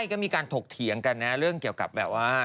ก็มีการถกเถียงกันนะเรื่องเกี่ยวกับแบบว่า